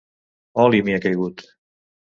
Oli m'hi ha caigut!